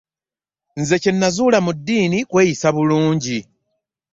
Nze kye nazuula mu ddiini kweyisa bulungi.